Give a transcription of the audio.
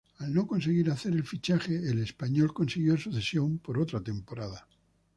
Al no conseguir hacer el fichaje el Espanyol consiguió su cesión por otra temporada.